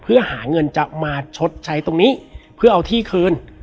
เพื่อหาเงินจะมาชดใช้ตรงนี้เพื่อเอาที่คืน